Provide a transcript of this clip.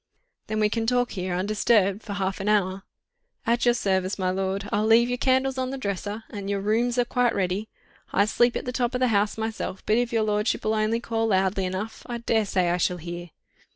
"Then we can talk here undisturbed for half an hour?" "At your service, my lord. ... I'll leave your candles on the dresser ... and your rooms are quite ready ... I sleep at the top of the house myself, but if your lordship'll only call loudly enough, I daresay I shall hear."